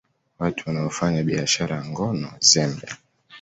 Watu wanaofanya biashara ya ngono zembe